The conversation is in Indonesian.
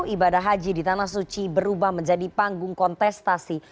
ibadah haji di tanah suci berubah menjadi panggung kontestasi